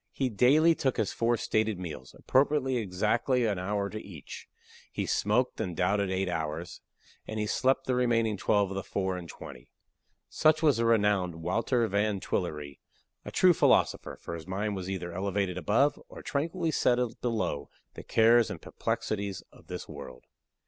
He daily took his four stated meals, appropriating exactly an hour to each; he smoked and doubted eight hours, and he slept the remaining twelve of the four and twenty. Such was the renowned Wouter Van Twillerï a true philosopher, for his mind was either elevated above, or tranquilly settled below, the cares and perplexities of this world.